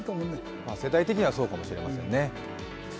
世代的にはそうかもしれませんね。